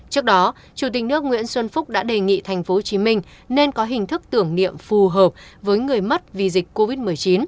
trước đó chủ tịch nước nguyễn xuân phúc đã đề nghị tp hcm nên có hình thức tưởng niệm phù hợp với người mất vì dịch covid một mươi chín